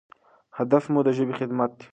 هدف مو د ژبې خدمت دی.